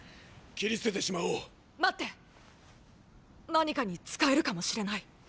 何かに使えるかもしれない。